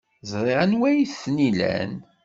Ẓriɣ anwa ay ten-ilan.